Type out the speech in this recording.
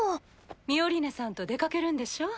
ミオリネさんと出かけるんでしょ？